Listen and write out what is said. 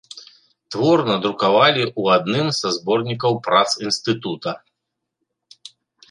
Твор надрукавалі ў адным са зборнікаў прац інстытута.